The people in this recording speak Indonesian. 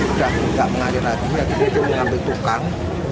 itu udah nggak mengalir lagi jadi itu mengambil tukang